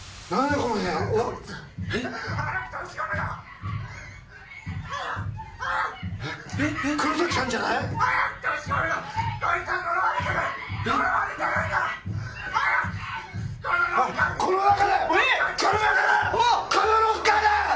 このロッカーだ！